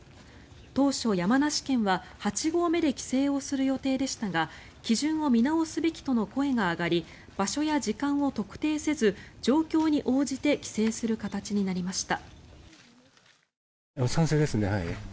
当初、山梨県は８合目で規制をする予定でしたが基準を見直すべきとの声が上がり場所や時間を特定せず状況に応じて規制する形になりました。